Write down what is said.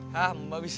hah mbak bisa